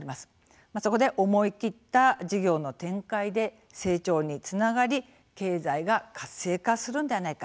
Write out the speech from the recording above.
そこで思い切った事業の展開で成長につながり経済が活性化するのではないか。